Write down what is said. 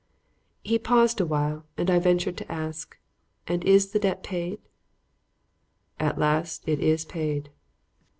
He paused awhile, and I ventured to ask: "And is the debt paid?" "At last it is paid."